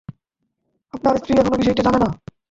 আপনার স্ত্রী এখনও বিষয়টা জানেন না।